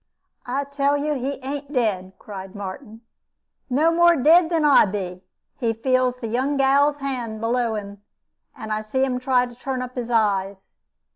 "I tell you he ain't dead," cried Martin; "no more dead than I be. He feels the young gal's hand below him, and I see him try to turn up his eyes.